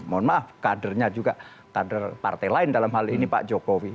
mohon maaf kadernya juga kader partai lain dalam hal ini pak jokowi